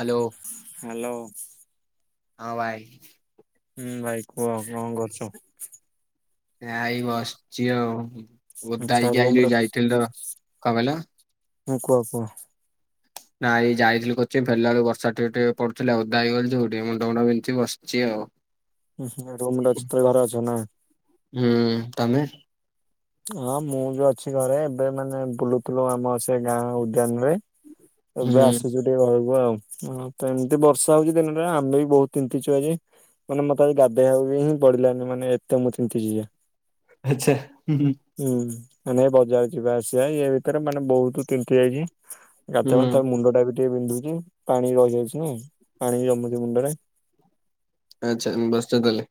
Hello hello ହଁ ଭାଇ। ହୁଁ, ଭାଇ କୁହ କଣ କରୁଛ? ନା ଏଇ ବସିଛି ଆଉ ଓଧ ଆଚ୍ଛା ହେକିଇି ରୁମ ଆଇଲି ରେ ଯାଇଥିଲି ତ କଣ କହିଲ? ହୁଁ, କୁହ, କୁହ। ନାଇଁଇ ଯାଇଥିଲି କୋଚିଂ ଫେରିଲା ବେଲୁକୁ ବର୍ଷା ଟିକେ ଟିକେ ପଡୁଥିଲା ଓଦା ହେଇଗଲି ଯୋଉ ଠି ମୁଣ୍ଡ ଫୁଣ୍ଡ ବିନ୍ଧି ବସିଛି ଆଉ। [inaudible] ରୁମ୍ ରେ ଚିତ ଘରେ ଅଛ ନା [unintelligible] ହୁଁ, ତାମେ? ହଁ, ମୁଁ ବି ଅଛି ଘରେ ଏବେ ମାନେ ବୁଲୁଥିଲୁ ଆମ ସେ ଗାଁ ଉଦ୍ୟାନ ରେ। ଏବେ ହୁଁ ଆସୁଛୁ ଟିକେ ଘରୁକୁ। କୁହୁ ଆଉ ଏମିତି ବର୍ଷା ହଉଛି ଦିନରେ ଆମେ ବି ବହୁତ ତିନ୍ତିଛୁ ଆଜି। ମାନେ ମତେ ଆଜି ଗାଧୋଇବାକୁ ବି ହିଁ ପିଡିଲାନି ମାନେ ଏତେ ମୁଁ ତିନ୍ତିଛି ଜା। ଆଚ୍ଛା, ହୁଁ, ହୁଁ। ହୁଁ, ମାନେ ବଜାର ଯିବା ଆସିବା ଇଏ ଭିତରେ ମାନେ ବହୁତ ତିନ୍ତି ଯାଇଛି। ଦାନ୍ତ, ହୁଁ। ଫାନ୍ତ ତା ମୁଣ୍ଡ ଟା ବି ଟିକେ ବିନ୍ଧୁଛି ପାଣି ରହିଯାଉଛି ନା ପାଣି ଜମୁଛି ମୁଣ୍ଡରେ। ଆଚ୍ଛା ବ୍ୟସ୍ତ ତାହେଲେ।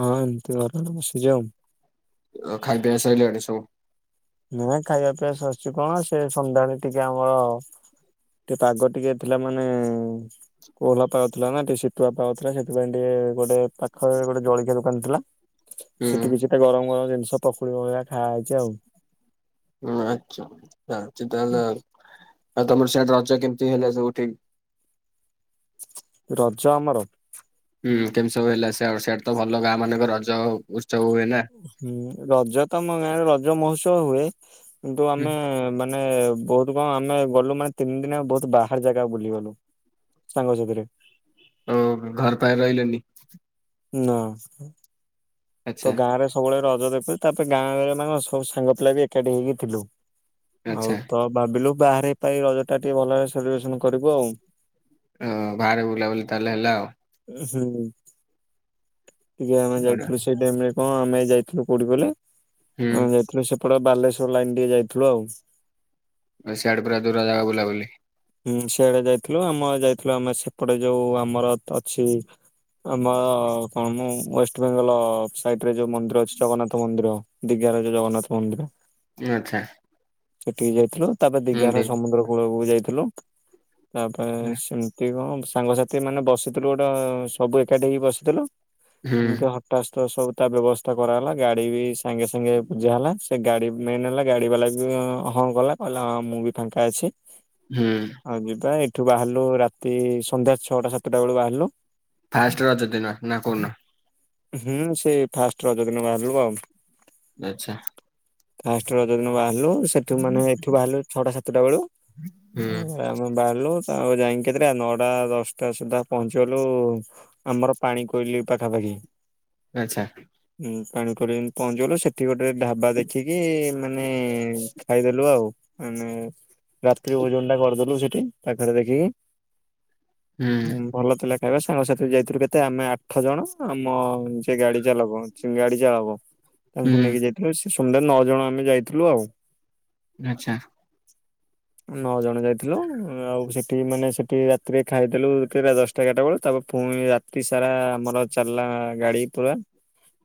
ହଁ ଏମିତି କର ସେ ଯାଉ। ଅ ଖାଇ ପିଇ ସାରିଲାଣି ସବୁ? ନାଇ ଖାଇବା ପିଇବା ସରିଚଛି କଣ ସେ ସନ୍ଧ୍ୟାବେଳେ ଟିକେ ଆମର ଟିକେ ପାଗ ଟିକେ ଥିଲା ମାନେ କୋହଲା ପାଗଥିଲା ନା ଟିକେ ଶୀତୁଆ ପାଗ ଥିଲା ସେଥିପାଇଁ ଟିକେ ଗୋଟେ ପାଖରେ ଗୋଟେ ଜଳଖିଆ ଦୋକାନ ଥିଲା ସେଠି ବି ହୁଁ କିଛିଟା ଗରମ ଗରମ ଜିନିଷ ପଖୋଳି ପଖଳିଆ ଖାଆ ହେଇଛି ଆଉ। ହୁଁ, ଆଚ୍ଛା ତାହେଲେ ଆଉ ତମର ସେଆଡ଼େ ରଜ କେମିତି ହେଲା ସବୁଠି? ରଜ ଆମର ହୁଁ କେମିତି ସବୁ ହେଲା ସେ ସିଆଡେ ତ ଭଲ ଗାଁ ମାନଙ୍କ ରଜ ଉତ୍ସବ ହୁଏ ନା। ରଜ ତ ଆମ ଗାଁରେ ରଜ ମହୋତ୍ସବ ହୁଏ କିନ୍ତୁ ଆମେ ମାନେ ଏଁନ ବହୁତ କଣ ଆମେ ଗଲୁ ମାନେ ତିନିଦିନୟାଙ୍କ ବହୁତ ବାହାର ଜାଗା ବୁଲିଗଲୁ। ସାଙ୍ଗସଥିରେ। ଓ ଘର ପାଇଁ ରହିଲେନି ନା ତ ଆଚ୍ଛା ଗାଁରେ ସବୁବେଳେ ରଜ ଦେଖୁଚୁ ତାପରେ ଗାଁରେ ମାନେ ସବୁ ସାଙ୍ଗ ପିଲା ବି ଏକାଠି ହେଇକି ଥିଲୁ। ଆଚ୍ଛା। ଆଉ ତ ଭାବିଲୁ ବାହାର ପାଇଁ ରଜ ଟା ଟିକେ ଭଲରେ ସେଲିବ୍ରେସନ କରିବୁ ଆଉ। ଓ ବାହାରେ ବୁଲା ବୁଲି ତାହେଲେ ହେଲା ଆଉ। ହୁଁ ଟିକେ ଆମେ ଯାଇଥି ବଢିଆ। ସେଇ ଟାଇମ୍ ରେ କଣ ଆମେ ଯାଇଥିଲୁ କୋଉଠି କହିଲେ ହୁଁ ଆମେ ଯାଇଥିଲୁ ସେ ପଟେ ବାଲେଶ୍ୱର ଲାଇନ ଟିକେ ଯାଇଥିଲୁ ଆଉ। ସିଆଡେ ପୁରା ଦୂର ଜାଗା ବୁଲାବୁଲି ହୁଁ ସେଆଡେ ଯାଇଥିଲୁ ଆମର ଯାଇଥିଲୁ ଆମେ ସେପଟେ ଯୋଉ ଆମର ଅଛି ଆମର କଣ ମ ୱେଷ୍ଟବେଙ୍ଗଲ ସାଇଟ ରେ ଯୋଉ ମନ୍ଦିର ଅଛି ଜଗନ୍ନାଥ ମନ୍ଦିର ଦିଘାର ଯୋଉ ଜଗନ୍ନାଥ ମନ୍ଦିର ଆଛା। ସେଠିକି ଯାଇଥିଲୁ ତାପରେ ଦିଘାର ଦେ- ସମୁଦ୍ର କୂଳକୁ ଯାଇଥିଲୁ। ତାପରେ ସେମିତି କଣ ସାଙ୍ଗସାଥି ମାନେ ବସିଥିଲୁ ଗୋଟେ ସବୁ ଏକାଠି ହେଇକି ବସିଥିଲୁ ହୁଁ ଏ ହ ହଟାସ୍ଥ ସବୁ ତା ବ୍ୟବସ୍ଥା କରାଗଲା ଗାଡି ବି ସାଙ୍ଗେ ସାଙ୍ଗେ ବୁଜା ହେଲା ସେ ଗାଡି ମେନ୍ ହେଲା ଗାଡି ବାଲା ବି ହଁ ଗଲା କହିଲା ହଁ ମୁଁ ବି ଫାଙ୍କା ଅଛି। ହୁଁ ହଉ ଯିବା ଏଇଠୁ ବାହାରିଲୁ ରାତି ସନ୍ଧ୍ୟା ଛଅଟା ସାତଟା ବେଳୁ ବାହାରିଲୁ। ଫାଷ୍ଟ ରଜ ଦିନ ନା କୋଉଦିନ? ହୁଁ ସେ ଫାଷ୍ଟ ରଜ ଦିନ ବାହାରିଲୁ ଆଉ। ଆଚ୍ଛା ଫଷ୍ଟଦିନ ଦିନ ବାହାରିଲୁ ସେଠୁ ମାନେ ଏଠୁ ବାହାରିଲୁ ଛଅଟା ସାତଟା ବେଳୁ ହୁଁ ଆମେ ବାହାରିଲୁ ତା ଯାଇକି କେଥିରେ ନଅଟା ଦଶଟା ସୁଦ୍ଧା ପହଞ୍ଚିଗଲୁ ଆମର ପାଣି କୋଇଲି ପାଖାପାଖି। ଆଛା। ପାଣିିକୋଇଲି ଜାଇଙ୍କି ପହଞ୍ଚଗଲୁ ସେଠି ଗୋଟେ ଢାବା ଦେଖିକି ମାନେ ଖାଇଦେଲୁ ଆଉ ମାନେ ତ୍ରି ଭୋଜନ ଟା କରିଦେଲୁ ସେଠି ପାଖରେ ଦେଖିକି ହୁଁ। ଭଲ ଥିଲା ଖାଇବା ସାଙ୍ଗସାଥି ଯାଇଥିଲୁ କେତେ ଆମେ ଆଠ ଜଣ ଆମ ଯିଏ ଗାଡି ଚାଲକ ଗାଡ଼ି ଯାହା ହବ ତାଙ୍କୁ ହୁଁ ନେଇକି ଯାଇଥିଲୁ ସେ ସମୁଦାୟେ ନଅ ଜଣ ଆମେ ଯାଇଥିଲୁ ଆଉ। ଆଛା। ନଅ ଜଣ ଯାଇଥିଲ ଆଉ ସେଠି ମାନେ ସେଠି ରାତିରେ ଖାଇଦେଲୁ କେରା ଦଶଟା ଏାରଟା ବେଳୁ ତାପରେ ପୁଣି ତିସାରା ଆମର ଚାଲିଲା ଗାଡି ପୁରା।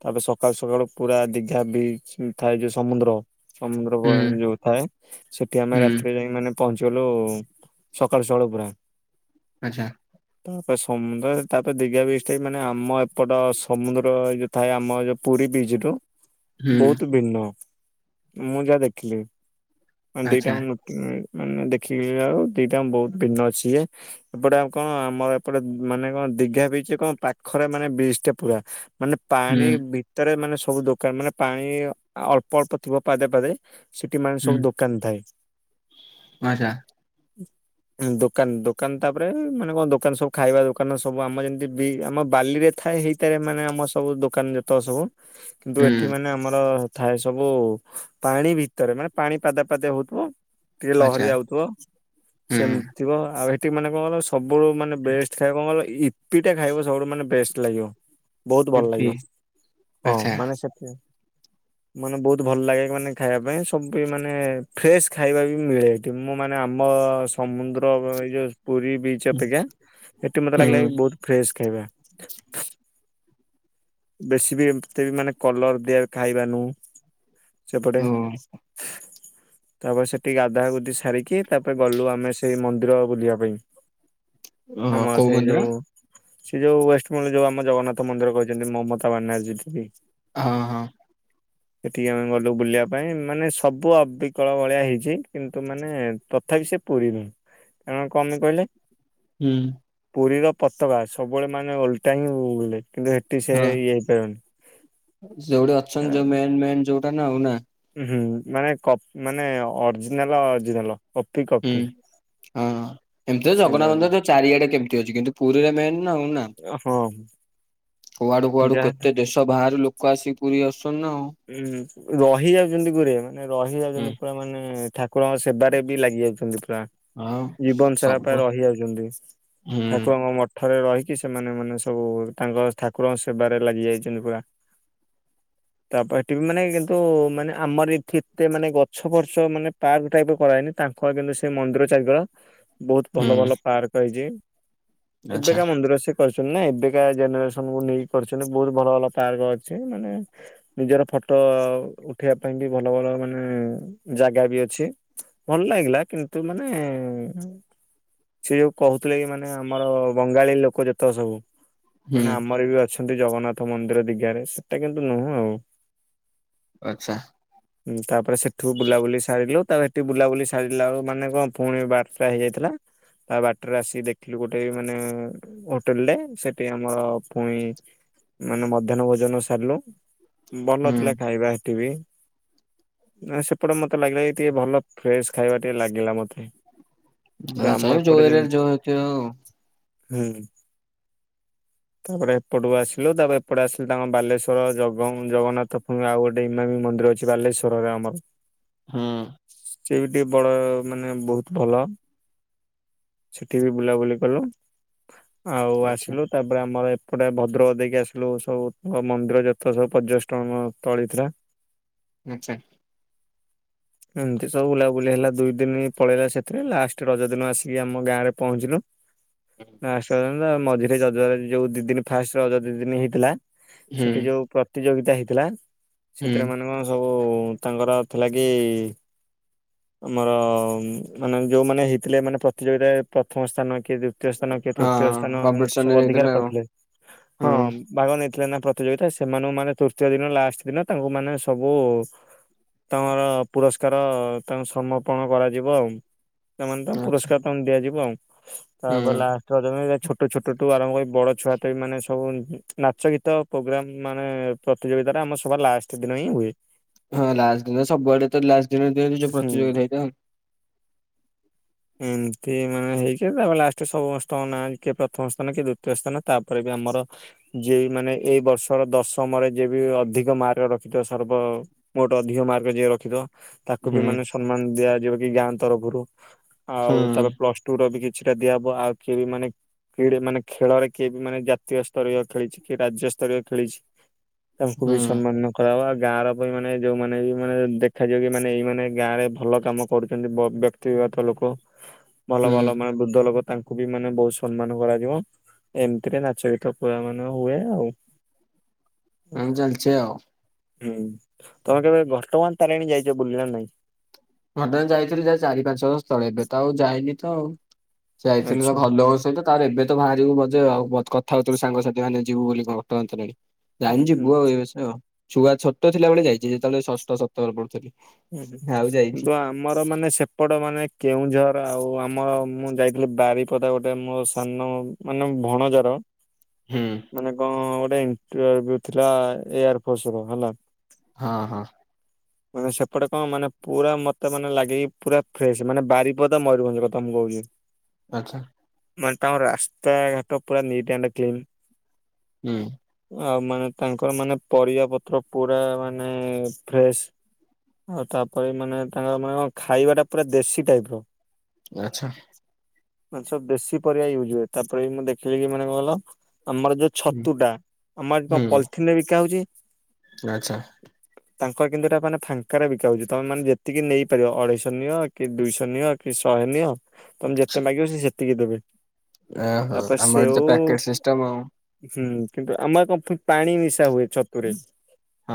ତାପରେ ସକାଳୁ ସକାଳୁ ପୁରା ଦିଘା ବିଚ୍ ଥାଏ ଯୋଉ ସମୁଦ୍ର ସମୁଦ୍ର ହୁଁ [unintelligible] ଯୋଉ ଥାଏ ସେଠି ଆମେ ହୁଁ ରାତି ଯାଇଙ୍କି ମାନେ ପହଞ୍ଚିଗଲୁ ସକାଳୁ ସକାଳୁ ପୁରା। ଆଚ୍ଛା ତାପରେ ସମୁଦ୍ର ତାପରେ ଦୀଘା ବିଚ୍ ଟା ବି ମାନେ ଆମ ଏପଟ ସମୁଦ୍ର ଏ ଯୋଉ ଥାଏ ଆମ ଏ ଯଉ ପୁରୀ ବିଚ ଠୁ ହୁଁ ବହୁତୁ ଭିନ୍ନ ମୁଁ ଯାହା ଦେଖିଲି ଆଚ୍ଛା ଦିଟାଙ୍କ ନୃ ମାନେ ଦେଖିଲାଳକୁ ଆଉ ଦିଟା ବହୁତ୍ ଭିନ୍ନ ଅଛି [unintelligible] ଏପଟେ ଆଉ କଣ ଆମର ଏପଟେ ମାନେ କଣ ଦିଘା ବିଚ୍ କଣ ପାଖରେ ମାନେ ବିଚ୍ ଟା ପୁରା ମାନେ ହୁଁ ପାଣି ଭିତରେ ମାନେ ସବୁ ଦୋକାନରେ ମାନେ ପାଣି ଅଳ୍ପ ଅଳ୍ପ ଥିବ ପାଦେ ପାଦେ ସେଠି ମାନେ ସବୁ ଦୋକାନ୍ ଥାଏ। ଆଛା। ହୁଁ ଦୋକାନ୍ -ଦୋକାନ୍ ତାପରେ ମାନେ କଣ ଦୋକାନ୍ ସବୁ ଖାଇବା ଦୋକାନ ସବୁ ଆମ ଯେମିତି ବି- ଆମ ବାଲି ରେ ଥାଏ ହେଇ ଥିରେ ମାନେ ଆମର ସବୁ ଦୋକାନ ଯେତେ ସବୁ କିନ୍ତୁ ହୁଁ ଏଠି ମାନେ ଆମର ଥାଏ ସବୁ ପାଣି ଭିତରେ ମାନେ ପାଣି ପାଦେ ପାଦେ ହଉଥିବ ଟିକେ ଆଚ୍ଛା ଲହରୀ ଆଉଥିବ ହୁଁ ସେମିତି ଥିବ ଆଉ ହେଠି ମାନେ କଣ କହିଲ ସବୁଠୁ ମାନେ ବେଷ୍ଟ୍ [unintelligible] କଣ କହିଲ ଇପି ଟା ଖାଇବ ସବୁଠୁ ମାନେ ବେଷ୍ଟ୍ ଲାଗିବ। ବହୁତ୍ ଭଲ ଇପି ଲାଗିବ ହଁ ଆଚ୍ଛା ମାନେ ସେ ମାନେ ବହୁତ୍ ଭଲ ଲାଗେ ମାନେ ଖାଇବା ପାଇଁ ସବୁ ମାନେ ଫ୍ରେଶ୍ ଖାଇବା ବି ମିଳେ ଏଠି ମୁଁ ମାନେ ଆମ ସମୁଦ୍ର ଓହୋ ଏଇ ଯଉ ପୁରୀ ବିଚ୍ ହୁଁ ଅପେକ୍ଷା ଏଠି ମତେ ଲାଗିଲା କି ବହୁତ୍ ଫ୍ରେଶ୍ ଖାଇବା। ବେଶୀ ବି ଏମିତ ବି ମାନେ କଲର୍ ଦିଆ ଖାଇବା ନୁହୁଁ ସେପଟେ। ଓ ତାପରେ ସେଠି ଗାଧା ଗୁଧି ସାରିକି ତାପରେ ଗଲୁ ଆମେ ସେଇ ମନ୍ଦିର ବୁଲିବା ପାଇଁ। ଓହୋ ଆମ କୋଉ ସେଇ ମନ୍ଦିର? ଯଉ ସେ ଯଉ ୱେଷ୍ଟବେଙ୍ଗଲ୍ ଯଉ ଆମ ଜଗନ୍ନାଥ ମନ୍ଦିର କରି ଯେମିତି ମମତା ବାନାର୍ଜୀ ଦିଦି। ହଁ -ହଁ। ସେଠିକି ଆମେ ଗଲୁ ବୁଲିବା ପାଇଁ ମାନେ ସବୁ ଅବିକଳ ଭଳିଆ ହେଇଚି କିନ୍ତୁ ମାନେ ତଥାପି ସେ ପୁରି ବି ଏଁ- କଣ୍ ପେ କହିଲେ? ହୁଁ। ପୁରୀର ପତକା ସବୁବେଳେ ମାନେ ଓଲଟା ହିଁ ଉଡେ କିନ୍ତୁ ଏ ଏଠି ସେ ଇଏ ହେଇପାରିବନି। ସେ ଯଉଠି ଅଛନ୍ତି ଯଉ ମେନ୍- ମେନ୍ ଯଉଟା ନା ଆଉ ନା? ଉଁ- ହୁଁ ମାନେ କ-ମାନେ ଅର୍ଜିନାଲ- ଅର୍ଜିନାଲ କପି- ହୁଁ। କପି। ହଁ ଏମିତି ତ ସେଟା ଜଗନ୍ନାଥ ମନ୍ଦିର ତ ଚାରିଆଡେ କେତେ ଅଛି କିନ୍ତୁ ପୁରୀରେ ମେନ୍ ନା ଆଉ। ନା? ହଁ। କୁଆଡୁ କୁଆଡୁ ଯାହା କେତେ ଦେଶ ବାହାରୁ ଲୋକ ଆସିକି ପୁରୀ ଆସୁଚନ୍ତି ନା ଆଉ। ଉଁ- ରହି ଯାଉଚନ୍ତି ଗୁରେ ମାନେ ରହି ହୁଁ ଯାଉଚନ୍ତି ପୁରା ମାନେ ଠା ଠାକୁରଙ୍କ ସେବାରେ ବି ଲାଗି ଯାଉଚନ୍ତି ପୁରା ଆଉ ଜୀବନ ସାରା ସବୁ ପାଇଁ ହୁଁ ରହି ଯାଉଚନ୍ତି। ଠାକୁରଙ୍କ ମ ଠରେ ରହିକି ସେମାନେ ମାନେ ସବୁ ତାଙ୍କ ଠାକୁରଙ୍କ ସେବାରେ ଲାଗି ଯାଇଚନ୍ତି ପୁରା। ତାପ ଏଠି ବି ମାନେ କିନ୍ତୁ ମାନେ ଆମର ଏଠି ଏତେ ମାନେ ଗଛ ଫର୍ଚ ମାନେ ପାର୍କ ଟାଇପ୍ କରାହେଇନି ତାଙ୍କର କିନ୍ତୁ ସେ ମନ୍ଦିର ଚାରିକର ବହୁତ୍ ଭଲ ହୁଁ ଭଲ ପାର୍କ ହେଇଚି ଆଚ୍ଛା ଏବେକା ମନ୍ଦିର ସେ କରିଚନ୍ତି ନା ଏବେକା ଜେନେରେସ୍ ଆମୁକୁ ନେଇକି କରିଚନ୍ତି ବହୁତ୍ ଭଲ ଭଲ ପାର୍କ ଅଛି ମାନେ ନିଜର ଫଟ ଉଠେଇବା ପାଇଁ ବି ଭଲ ଭଲ ମାନେ ଜାଗା ବି ଅଛି। ଭଲ ଲାଗିଲା କିନ୍ତୁ ମାନେ ସେ ଯଉ କହୁଥିଲେ କି ମାନେ ଆମର ବଙ୍ଗାଳୀ ଲୋକ ଯେତକ ସବୁ ହୁଁ ମାନେ ଆମର ବି ଅଛନ୍ତି ଜଗନ୍ନାଥ ମନ୍ଦିର ଦିଘାରେ ସେଟା କିନ୍ତୁ ନୁହୁଁ ଆଉ। ଆଚ୍ଛା। ତାପରେ ସେଠୁ ବୁଲାବୁଲି ସାରିଲୁ ତା ଏଠି ବୁଲାବୁଲି ସାରିଲା ଆଉ ମାନେ କଣ ପୁଣି ବାରଟା ହେଇଯାଇଥିଲା। ତା ବାଟରେ ଆସି ଦେଖିଲୁ ଗୋଟେ ମାନେ- ହୋଟେଲରେ ସେଠି ଆମର ପୁଣି ମାନେ ମଧ୍ୟାହ୍ନ ଭୋଜନ ସାରିଲୁ। ଭଲ ହୁଁ ଥିଲା ଖାଇବା ସେଠି ବି ସେପଟେ ମତେ ଲାଗିଲା କି ଟିକେ ଭଲ ଫ୍ରେଶ୍- ଖାଇବା ଟିକେ ଲାଗିଲା ମତେ। କିନ୍ତୁ ନା ଆମ ସେ ଯୋଉ ଏପଟେ ଏରିଆରେ ଯେମିତି ଯୋଉ ଥିବ ଆଉ। ହୁଁ ତାପରେ ଏପଟକୁ ଆସିଲୁ ତାପରେ ଏପଟେ ଆସିଲି ତାଙ୍କ ବାଲେଶ୍ଵର, ଜ ଏବଂ ଜଗନ୍ନାଥ ଆଉ ଗୋଟେ ଇମାମି ମନ୍ଦିର ଅଛି ବାଲେଶ୍ୱରରେ ଆମର। ହୁଁ। ସେ ବି ଟିକେ ବଡ ମାନେ ବହୁତ ଭଲ। ସେଠି ବି ବୁଲାବୁଲି କଲୁ। ଆଉ ଆଚ୍ଛା ଆସିଲୁ ତାପରେ ଆମର ଏପଟେ ଭଦ୍ରକ ଦେଇକି ଆସିଲୁ ସବୁ ମନ୍ଦିର ଯେ ତ ସବୁ ପର୍ଯ୍ୟଟନସ୍ଥଳୀ ଥିଲା। ଆଚ୍ଛା। ଏମତି ସବୁ ବୁଲାବୁଲି ହେଲା ଦୁଇ ଦିନ ପଳେଇଲା ସେଥିରେ। ଲାଷ୍ଟ ରଜ ଦିନ ଆସିକି ଆମ ଗାଁରେ ପହଞ୍ଚିଲୁ। ହୁଁ। ଫାଷ୍ଟ ରଜ ମଝିରେ ଯୋଉ ଦି ଦିନ ଫାଷ୍ଟ ରଜ ଦି ଦିନ ହେଇଥିଲା ହୁଁ ସେଠି ଯୋଉ- ପ୍ରତିଯୋଗିତା ହେଇଥିଲା ହୁଁ ସେଥିରେ ଆମର ସବୁ ତାଙ୍କର ଥିଲା କି- ଆମର ମାନେ ଯେଉଁମାନେ ହେଇଥିଲେ ମାନେ ପ୍ରତିଯୋଗିତାରେ ପ୍ରଥମ ସ୍ଥାନ କିଏ ଦ୍ୱି ଦ୍ୱତୀୟ ସ୍ଥାନ କିଏ ହଁ ତୃତୀୟ ସ୍ଥାନ ଏମିତି କମ୍ପିଟିସନ ସବୁ ହେଇଥିଲା ଅଧିକାର ଆଉ କରିଥିଲେ। ହଁ ହୁଁ ଭାଗ ନେଇଥିଲେ ନା ପ୍ରତିଯୋଗିତା ସେ ସେମାନେ ମାନେ ତୃତୀୟ ଦିନ ଲାଷ୍ଟ ଦିନ ତାଙ୍କୁ ମାନେ ସବୁ ତାଙ୍କର ପୁରସ୍କାର ତାଙ୍କୁ ସମର୍ପଣ କରାଯିବ ଆଉ ସେମାନେ ତ ଆଚ୍ଛା ପୁରସ୍କାର ତମ ଦିଆଯିବ ଆଉ ହୁଁ ତାପରେ ହେଲା ଛୋଟ ଛ ଛୋଟଠୁ ଆରମ୍ଭ କରି ବଡ଼ ଛୁଆ ତେ ମାନେ ସବୁ ନାଚ ଗୀତ ପ୍ରୋଗ୍ରାମ୍ ମାନେ ପ୍ରତିଯୋଗିତା ଟା ଆମ ସବା ଲାଷ୍ଟ ଦିନ ହିଁ ହୁଏ। ହଁ ଲାଷ୍ଟ ଦିନ ସବୁଆଡେ ତ ଲାଷ୍ଟ ଦିନ ତ ହୁଁ। ପ୍ରତିଯୋଗିତା ହେଇଥାଏ। ଏମିତି ମାନେ ହେଇଛି ତାପରେ ଲାଷ୍ଟ ସମସ୍ତଙ୍କ ନାଁ କିଏ ପ୍ରଥମ ସ୍ଥାନ କିଏ ଦ୍ୱି ଦ୍ୱିତୀୟ ସ୍ଥାନ ତାପରେ ବି ଆମର ଯିଏ ମାନେ ଏଇ ବର୍ଷ ଧର ଦଶମରେ ଯିଏ ବି ଅଧିକ ମାର୍କ ରଖିଥିବ ସର୍ବ ମୋଟ ଅଧିକ ମାର୍କ ଯିଏ ରଖିଥବ। ତାକୁ ବି ହୁଁ ମାନେ ସମ୍ମାନ ଦିଆଯିବ କି ଗାଁ ତରଫରୁ ହୁଁ ଆଉ ତାପରେ ପ୍ଲସ ଟୁ ର ବି କିଛି କିଛିଟା ଦିଆ ହବ ଆଉ କିଏ ବି ମାନେ କିେ ମାନେ ଖେଳରେ କିଏ ବି ମାନେ ଜାତୀୟ ସ୍ତରୀୟ ଖେଳିଛି କିଏ ରାଜ୍ୟସ୍ତରୀୟ ଚଳିଛି ତାଙ୍କୁ ହୁଁ ବି ସମ୍ମାନ। ହବା ଗାଁର ଲୋକମାନେ ଯେଉଁମାନେ ବି ମାନେ ଦେଖାଯିବ କି ମାନେ ଏଇ ମାନେ ଗାଁରେ ଭଲ କାମ କରୁଛନ୍ତି ବ ବ୍ୟକ୍ତି ଠିକ କରିଥିବା ଲୋକ [unintelligible] ଭଲ ଭଲ ମାନେ ବୁ ଦଲ ଗତ ତାଙ୍କୁ ବି ମାନେ ବହୁତ ସମ୍ମାନ କରାଯିବ ଏମିତିରେ ନାଚ ଗୀତ ପୁରା ମାନେ ହୁଏ ଆଉ ହଁ ଚାଲିଛି ଆଉ ହୁଁ ତମେ କେବେ ବର୍ତମାନ ତାରିଣୀ ଯାଇଛ ବୁଲିବା ନାଇଁ। ଘଟାଗାଁ ଯାଇଥିଲି ଯାହା ଚାରି ପାଞ୍ଚ ବର୍ଷ ସ୍ଥଳେ ଏବେ ତ ଆଉ ଯାଇନି ତ ଆଉ ଯାଇଥିଲି ତ ଆଚ୍ଛା ଭଲ ହ ସହିତ ତାରଣି ଏବେ ତ ବାହାରିବୁ ବଜେ ଆଉ କଥା ହଉଥିଲୁ ସାଙ୍ଗ ସାଥିମାନେ ଯିବୁ ବୋଲି ଘଟଗାଁ ତାରିଣୀ। ହୁଁ ଜାଣିଛି ହୁଁ ପୁଅ ଏ ସ ଛୋଟ ଥିଲାବେଳେ ଯାଇଛି ଯେତେବେଳେ ଷଷ୍ଠ ସପ୍ତ ତୋର ପଡୁଥିଲି ଆଉ ଯାଇନି। ତ ଆମର ମାନେ ସେପଟ ମାନେ କେଉଁଝର ଆଉ। ଆଉ ଆମର ମୁଁ ଯାଇଥିଲି ବାରିପଦା ଗୋଟେ ମୋ ସାନ ମାନେ ଭଣଜାର। ହୁଁ ମାନେ କଣ ଗୋଟେ ଇଣ୍ଟରଭ୍ୟୁ ଥିଲା ଏୟାର ଫୋର୍ସ ର ହେଲା। ହଁ ହଁ ମାନେ ସେପଟେ କଣ ମାନେ ପୁରା ମତେ ମାନେ ଲାଗେ ପୁରା ଫ୍ରେଶ ମାନେ ବାରିପଦା, ମୟୂରଭଞ୍ଜ କଥା ମୁଁ କହୁଛି। ଆଛା ମାନେ ତାଙ୍କ ରାସ୍ତା ଘାଟ ପୁରା ନିଟ୍ ଆଣ୍ଡ କ୍ଲିନ୍। ହୁଁ ଆଉ ମାନେ ତାଙ୍କର ମାନେ ପରିବା ପତ୍ର ପୁରା ମାନେ ଫ୍ରେଶ। ଆଉ ତାପରେ ମାନେ ତାଙ୍କର ମାନେ କଣ ଖାଇବା ଟା ପୁରା ଦେଶୀ ଟାଇପ ର। ଆଛା ମାନେ ସବୁ ବେଶୀ ପରିବା ୟୁଜ୍ ହୁଏ। ତାପରେ ମୁଁ ଦେଖିଲି କି ମାନେ କଣ କହିଲ ଆମର ଯୋଉ ହୁଁ। ଛତୁ ଟା ଆମଆଡେ କଣ ପଲିଥିନରେ ବିକା ହଉଛି। ଆଛା ତାଙ୍କ ଆଡେ କିନ୍ତୁ ଏଇଟା ମାନେ ଫାଙ୍କାରେ ବିକା ହଉଛି ତମେ ମାନେ ଯେତିକି ନେଇପାରିବ ଅଢେଇଶହ ନିଅ କି ଦୁଇଶହ ନିଅ କି ଶହେ ନିଅ। ତମେ ଯେତେ ମାଗିବ ସେ ସେତିକି ଦେବେ। ଓହୋ ତାପରେ ଆମର ଏଠି ସେଉ ତ ପ୍ୟାକେଟ ସିଷ୍ଟମ ଆଉ। ହୁଁ କିନ୍ତୁ ଆମର କଣ ପାଣି ନିଶା ହୁଏ ଛତୁରେ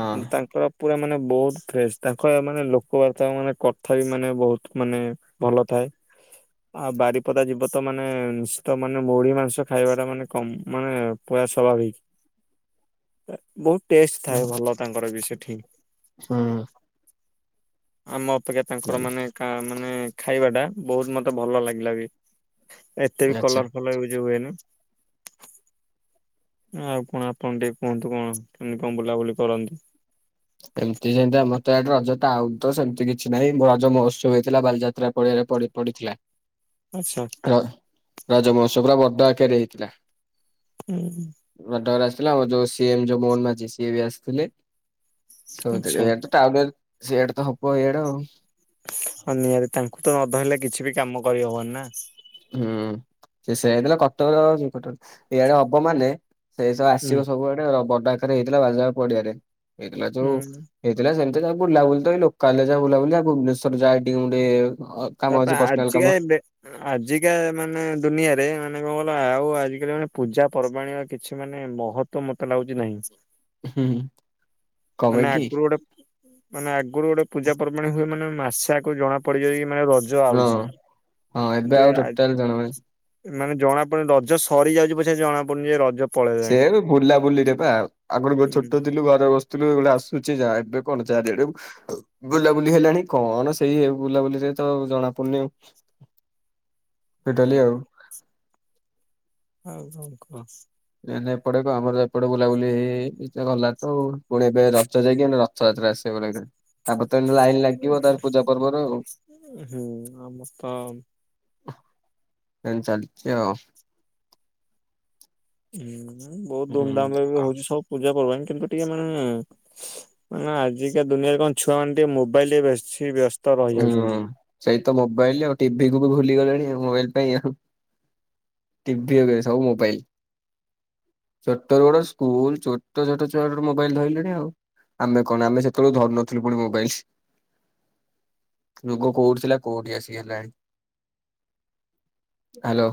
ଆଉ। ତାଙ୍କର ପୁରା ମାନେ ବହୁତ ଫ୍ରେଶ ତାଙ୍କଆଡେ ମାନେ ଲୋକବାର୍ତା ମାନେ କଥା ବି ମାନେ ବହୁତ ମାନେ ଭଲ ଥାଏ। ଆଉ ବାରିପଦା ଯିବ ତ ମାନେ ନିଶ୍ଚିତ ମାନେ ବୋଉଳି ମାଂସ ଖାଇବା ଟା ମାନେ କମ୍ ମାନେ ପୁରା ସ୍ୱାଭାବିକ୍। ବହୁତ ଟେଷ୍ଟ ଥାଏ ଭଲ ତାଙ୍କର ବି ସେଠି। ହୁଁ। ଆମ ଅପେକ୍ଷା ହୁଁ ତାଙ୍କର ମାନେ ଖା ମାନେ ଖାଇବା ଟା ବହୁତ ମତେ ଭଲ ଲାଗିଲା ବି। ଏତେ ବି ଆଚ୍ଛା। କଲର ଫଲର ୟୁଜ ହୁଏନି। ଆଉ କଣ ଆପଣ ଟିକେ କୁହନ୍ତୁ କଣ କେମିତି କଣ ବୁଲାବୁଲି କରନ୍ତି। ଏମିତି ଯେମିତି ଆମ ତ ଏଆଡେ ରଜ ଆଉ ତ ସେମିତି କିଛି ନାହିଁ ମୋ ରଜ ମହୋତ୍ସବ ହେଇଥିଲା ବାଲିଯାତ୍ରା ପଡ଼ିଆରେ ପଡ଼ି ପଡ଼ିଥିଲା। ଆଚ୍ଛା। ହାଲୋ ରଜ ମହୋତ୍ସବ ପୁରା ବଡ଼ ଆକାରେ ହେଇଥିଲା। ହୁଁ। ଘଟଗାଁ ରୁ ଆସିଥିଲା ଆଉ ଯୋଉ ସିଏମ୍ ଯୋଉ ମୋହନ ମାଝି ସିଏ ବି ଆସିଥିଲେ। ସବୁଥି ଆଚ୍ଛା ଏଇଡ ତ ଟ ସେଆଡେ ତ ହପ ଏଇଆଡେ ଆଉ। ହଁ ନିହାତି ତାଙ୍କୁ ତ ନ ଧହିଲଲେ କିଛି ବି କାମ କରିହବନି ନା। ହୁଁ ସେ ସେ ହେଇଥିଲା କଟକର ଏ [unintelligible] ଇଆଡେ ଅବ ମ ସେଇସବୁ ହୁଁ ଆସିବ ସବୁଆଡେ ବଡା ଆକାରେ ହେଇଥିଲା ବାଦାମ୍ ପଡିଆରେ ହେଇଥିଲା ଯୋଉ ହୁଁ ହେଇଥିଲା ସେମିତି ଯା ବୁଲାବୁଲି ତ ଏଇ ଲୋକାଲ ଏରିଆ ବୁଲାବୁଲି ଭୁବେଶ୍ଵର ଯାଏ ଟିକେ ଗୋ ତାପରେ ଆଜିକା ଏମେରେ ଆଜିକା ମାନେ ଦୁନିଆରେ ମାନେ କଣ ଗ ଆଉ ଆଜିକାଲି ମାନେ ପୂଜା ପର୍ବାଣୀର କିଛି ମାନେ ମହତ୍ ମତେ ଲାଗୁଚି ନାହିଁ। ହୁଁ କଣ ପାଇଁ ମାନେ କି ଅଗୁରୁ ଗୋଟେ ମାନେ ଆଗୁରୁ ଗୋଟେ ପୂଜା ପର୍ବାଣୀ ହୁଏ ମାନେ ମାସଆକୁ ଜଣା ପଡ଼ିଯାଏ [unintelligible] ମାନେ ର ରଜ ହଁ ଆଉଚି ହଁ ଏବେ ଆଉ ଟୋଟାଲ [unintelligible] ଜଣା ନାହିଁ। ମାନେ ଜଣା ପଡୁନି ରଜ ସରି ଯାଉଚି ପଛେଜଣା ପଡୁନି ଯେ ରଜ ସେ ପଳେଇଲାଣି। ବି ବୁଲା ବୁଲିରେ ପା ଆଗରୁ ହୁଁ ଛୋଟ ଥିଲୁ ଘର ବସ [unintelligible] ଆସୁଚି ଯାହା ଏବେ କଣ ଚାରିଆଡେ ବୁଲାବୁଲି ହେଲାଣି କଣ ସେଇ ବୁଲାବୁଲିରେ ତ ଜଣା ପଡୁନି ଆଉ ହୁଁ [unintelligible] ଆଉ। [unintelligible] ନାଇଁ ନାଇଁ ଏପଟେ କ ଆମର ତ ଏପଟେ ବୁଲାବୁଲି ହେଇଜାଇ ଚି ଗଲା ତ ପୁଣି ଏବେ ରଜ ଯାଇକି ଏଇନେ ର ରଥ ଯାତ୍ରା ଆସିବ ପରା ଏଵେ। ତାପରେ ତ ଏଇନେ ଲାଇନ ଲାଗିବ ତାପରେ ପୂଜା ପର୍ବର ଆଉ। ହୁଁ ଆମର ତ ଏମିତି ଚାଲିଚି ଆଉ। ହୁଁ ବୋହୁତ ହୁଁ। ଧୁମଧାମ ରେ ବି ହୋଉଚି ସବୁ ପୂଜା ପର୍ବାଣୀ କିନ୍ତୁ ଟିକେ ମାନେ ମାନେ ଆଜିକା ଦୁନିଆରେ କଣ ଛୁଆମାନେେ ଟିକେ ମୋବାଇଲ ବେଶୀ ବ୍ୟସ୍ତ। ହୁଁ ରହିଯାଉଛନ୍ତି। ସେଇତ ମୋବାଇଲ ଆଉ ଟିଭି କୁ ବି ଭୁଲିଗ ଗଲେଣି ଆଉ ମୋବାଇଲ ପାଇଁ ଆଉ। ଟିଭି ଏଵେ ସବୁ ମୋବାଇଲ। ଛୋଟ ରୁ ବଡ ସ୍କୁଲ ଛୋଟ ଛୋଟ ଛୁଆ ଗୋଟେ ମୋବାଇଲ ଧଇଲେଣି ଆଉ। ଆମେ କଣ ଆମେ ସେତେବେଳୁ ଧରୁନଥୁଲୁ ପୁଣୀ ମୋବାଇଲ। ଯୁଗ କୋଉଠି ଥିଲା କୋଉଠି ଆସିିକିହେଲାଣି। ହାଲୋ।